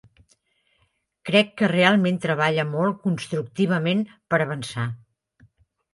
Crec que realment treballa molt constructivament per avançar.